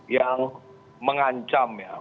yang mengancam ya